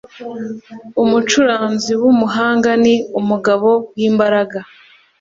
umucuranzi w umuhanga ni umugabo w imbaraga